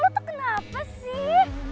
lu tuh kenapa sih